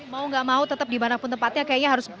mau gak mau tetap dimanapun tempatnya kayaknya harus